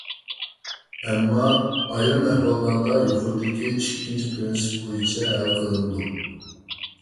ئەمما، ئايرىم ئەھۋاللاردا يۇقىرىدىكى ئىككىنچى پىرىنسىپ بويىچە ھەل قىلىنىدۇ.